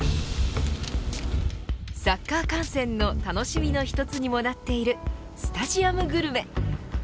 サッカー観戦の楽しみの一つにもなっているスタジアムグルメ。